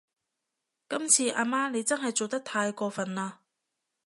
今次阿媽你真係做得太過份喇